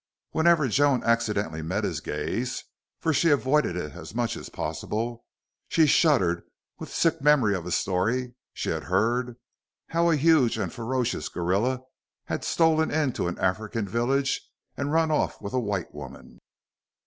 Whenever Joan accidentally met his gaze for she avoided it as much as possible she shuddered with sick memory of a story she had heard how a huge and ferocious gorilla had stolen into an African village and run off with a white woman.